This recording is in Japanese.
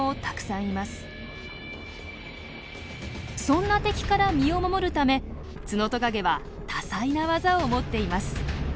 そんな敵から身を守るためツノトカゲは多彩な技を持っています。